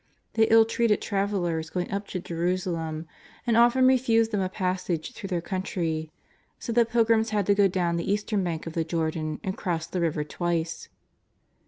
They illtreated travellers going up to Jerusa lem, and often refused them a passage through their country, so that pilgrims had to go down the eastern bank of the Jordan and cross the river twice.